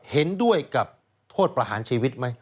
เห็นด้วยกับโทษประหารชีวิตไหม